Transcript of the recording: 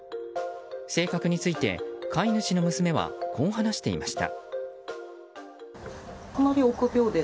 性格について飼い主の娘はこう話していました。